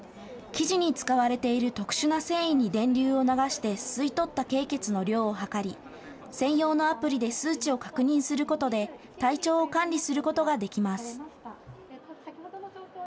生地に使われている特殊な繊維に電流を流して吸い取った経血の量を測り、専用のアプリで数値を確認することで体調を管理することができます。